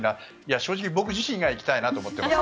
正直、僕自身が行きたいと思っています。